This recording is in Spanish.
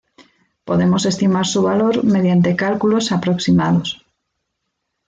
Podemos estimar su valor mediante cálculos aproximados.